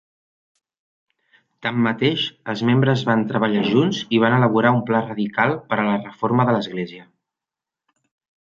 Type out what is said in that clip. Tanmateix, els membres van treballar junts i van elaborar un pla radical per a la reforma de l'església.